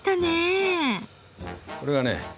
これはね